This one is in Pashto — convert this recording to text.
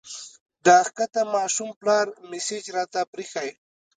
د ښکته ماشوم پلار مسېج راته پرېښی